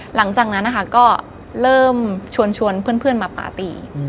หลังจากนั้นนะคะก็เริ่มชวนเพื่อนมาปาร์ตี้